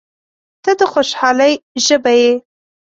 • ته د خوشحالۍ ژبه یې.